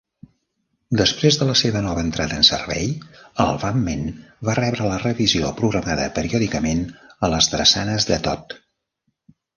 Després de la seva nova entrada en servei, el "Vammen" va rebre la revisió programada periòdicament a les drassanes de Todd.